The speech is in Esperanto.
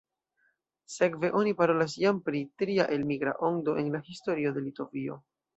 Sekve oni parolas jam pri tria elmigra ondo en la historio de Litovio.